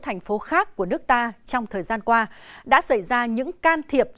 thành phố khác của nước ta trong thời gian qua đã xảy ra những can thiệp